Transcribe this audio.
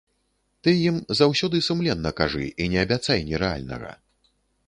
Ты ім заўсёды сумленна кажы і не абяцай нерэальнага.